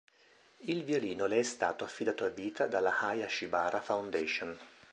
Il violino le è stato affidato a vita dalla "Hayashibara Foundation".